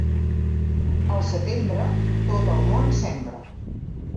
Al setembre, tot el món sembre.